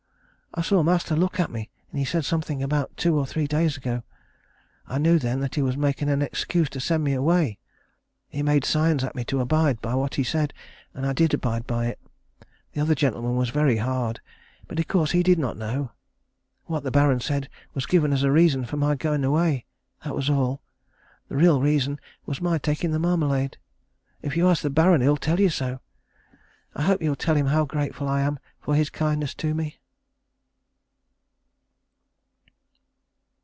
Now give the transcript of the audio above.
I saw master look at me, and he said something about two or three days ago. I knew then that he was making an excuse to send me away. He made signs at me to abide by what he said, and I did abide by it. The other gentleman was very hard, but of course he did not know. What the Baron said was given as a reason for my going away. That was all. The real reason was my taking the marmalade. If you ask the Baron he will tell you so. I hope you will tell him how grateful I am for his kindness to me.